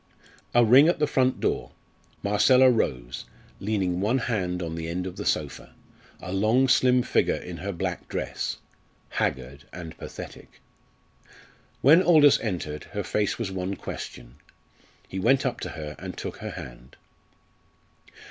A ring at the front door. Marcella rose, leaning one hand on the end of the sofa a long slim figure in her black dress haggard and pathetic. When Aldous entered, her face was one question. He went up to her and took her hand.